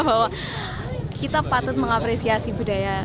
bahwa kita patut mengapresiasi budaya